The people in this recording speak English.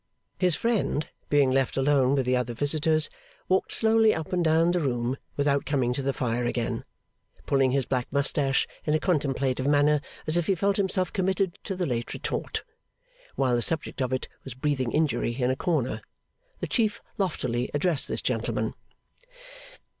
His friend, being left alone with the other visitors, walked slowly up and down the room without coming to the fire again, pulling his black moustache in a contemplative manner, as if he felt himself committed to the late retort. While the subject of it was breathing injury in a corner, the Chief loftily addressed this gentleman.